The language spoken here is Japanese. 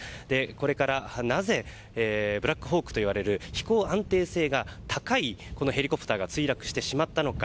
これからなぜブラックホークと呼ばれる飛行安定性が高いヘリコプターが墜落してしまったのか。